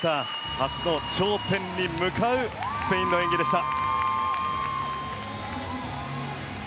初の頂点に向かうスペインの演技でした。